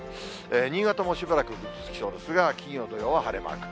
新潟もしばらくぐずつきそうですが、金曜、土曜は晴れマーク。